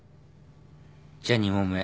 じゃ２問目。